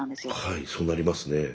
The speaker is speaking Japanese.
はいそうなりますね。